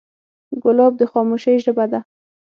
ګلاب د خاموشۍ ژبه ده.